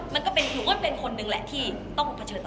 มันก็เป็นคนหนึ่งแหละที่ต้องเผชิญต่อไป